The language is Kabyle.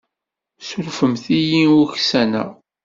Surfemt-iyi ur uksaneɣ.